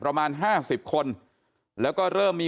เพราะทนายอันนันชายชายเดชาบอกว่าจะเป็นการเอาคืนยังไง